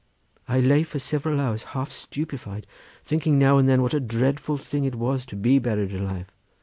I lay for several hours half stupefied, thinking now and then what a dreadful thing it was to be buried alive.